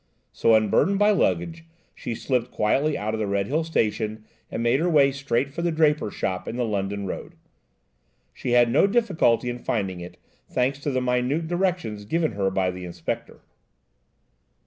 So, unburthened by luggage, she slipped quietly out of the Redhill Station and made her way straight for the draper's shop in the London Road. She had no difficulty in finding it, thanks to the minute directions given her by the Inspector.